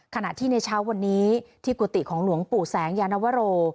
ขณะที่ในเช้าวันนี้ที่กุฏิของหลวงปู่แสงยานวโร